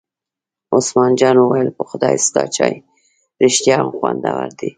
عثمان جان وویل: په خدای ستا چای خو رښتیا هم خوندور دی.